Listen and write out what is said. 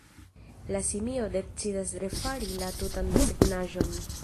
La simio decidas refari la tutan desegnaĵon.